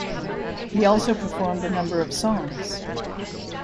He also performed a number of songs.